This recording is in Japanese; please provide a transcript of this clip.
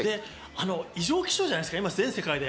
異常気象じゃないですか、全世界で。